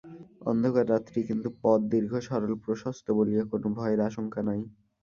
অন্ধকার রাত্রি, কিন্তু পথ দীর্ঘ সরল প্রশস্ত বলিয়া কোনো ভয়ের আশঙ্কা নাই।